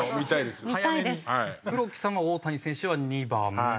黒木さんは大谷選手は２番。